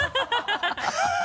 ハハハ